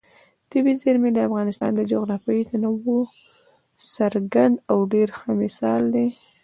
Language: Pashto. طبیعي زیرمې د افغانستان د جغرافیوي تنوع یو څرګند او ډېر ښه مثال دی.